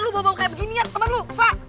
lu bawa bawa kayak begini ya temen lu pak